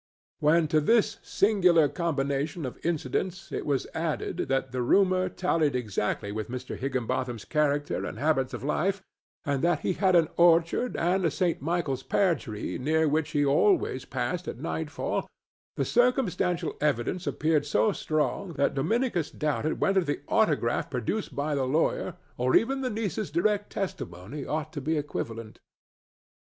When to this singular combination of incidents it was added that the rumor tallied exactly with Mr. Higginbotham's character and habits of life, and that he had an orchard and a St. Michael's pear tree, near which he always passed at nightfall, the circumstantial evidence appeared so strong that Dominicus doubted whether the autograph produced by the lawyer, or even the niece's direct testimony, ought to be equivalent.